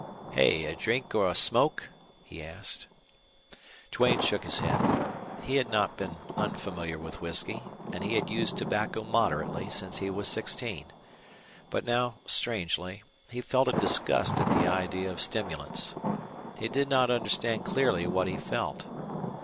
"Hey a drink or a smoke?" he asked. Duane shook his head. He had not been unfamiliar with whisky, and he had used tobacco moderately since he was sixteen. But now, strangely, he felt a disgust at the idea of stimulants. He did not understand clearly what he felt.